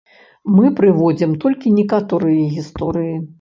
Мы прыводзім толькі некаторыя гісторыі.